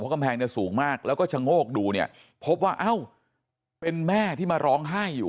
กำแพงเนี่ยสูงมากแล้วก็ชะโงกดูเนี่ยพบว่าเอ้าเป็นแม่ที่มาร้องไห้อยู่